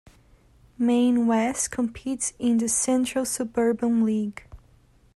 Maine West competes in the Central Suburban League.